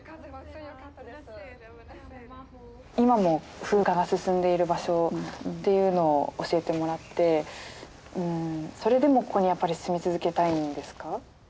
今も風化が進んでいる場所っていうのを教えてもらってそれでもここにやっぱり住み続けたいんですか？